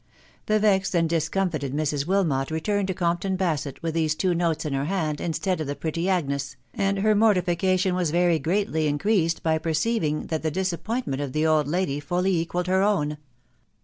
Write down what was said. The vexed and discomfited Mrs. Wilmot returned to Comp ton Basett with these two notes in her hand instead of the pretty Agnes, and her mortification was very greatly increased bjr perceiving that the disappointment of the old lady fully equalled her own.